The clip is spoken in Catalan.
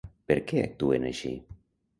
Per què actuen així?